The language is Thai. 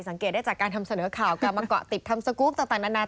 ได้จากการทำเสนอข่าวการมาเกาะติดทำสกรูปต่างนานา